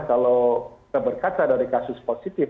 kalau kita berkata dari kasus positif